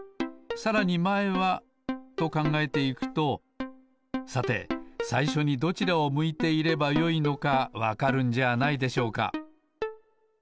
さらにまえはとかんがえていくとさてさいしょにどちらを向いていればよいのかわかるんじゃないでしょうか。